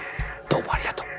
どうもありがとう。